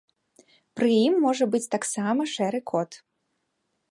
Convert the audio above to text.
Пры ім можа быць таксама шэры кот.